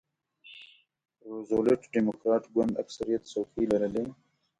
روزولټ ډیموکراټ ګوند اکثریت څوکۍ لرلې.